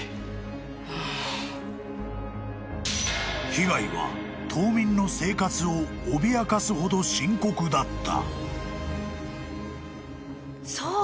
［被害は島民の生活を脅かすほど深刻だった］